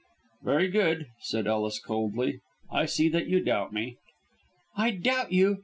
"Very good," said Ellis, coldly. "I see that you doubt me." "I doubt you!